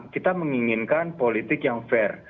kita menginginkan politik yang fair